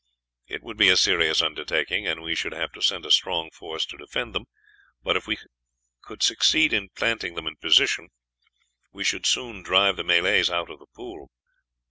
It would be a serious undertaking, and we should have to send a strong force to defend them, but if we could succeed in planting them in position, we should soon drive the Malays out of the pool."